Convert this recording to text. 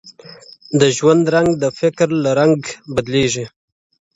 د ژوند رنګ د فکر له رنګ بدلېږي’